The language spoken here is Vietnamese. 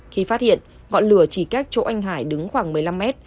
khi phát hiện ngọn lửa chỉ cách chỗ anh hải đứng khoảng một mươi năm mét